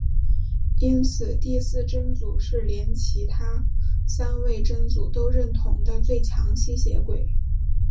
因此第四真祖是连其他三位真祖都认同的最强吸血鬼。